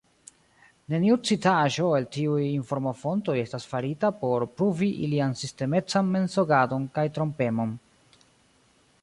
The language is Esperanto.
Neniu citaĵo el tiuj informofontoj estas farita por pruvi ilian sistemecan mensogadon kaj trompemon.